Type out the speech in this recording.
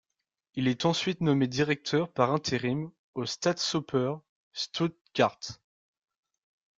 Il est ensuite nommé directeur par intérim au Staatsoper Stuttgart.